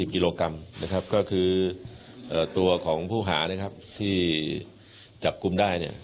กิโลกรัมนะครับก็คือตัวของผู้หานะครับที่จับกลุ่มได้เนี่ย